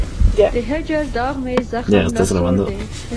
د هجر داغ مي زخم ناصور دی